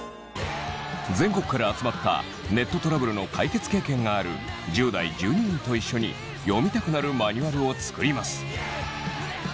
全国から集まったネットトラブルの解決経験がある１０代１２人と一緒に読みたくなるマニュアルを作ります。